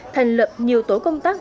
thành lập nhiều tổ công tác